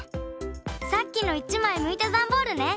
さっきの１枚むいたダンボールね。